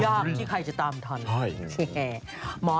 โอลี่คัมรี่ยากที่ใครจะตามทันโอลี่คัมรี่ยากที่ใครจะตามทัน